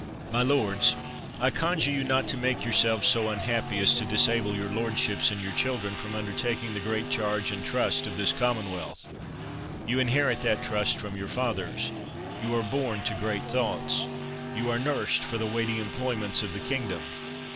My lords, I conjure you not to make your selves so unhappy as to disable your lordships and your children from undertaking the great charge and trust of this commonwealth. You inherit that trust from your fathers. You are born to great thoughts. You are nursed for the weighty employments of the kingdom.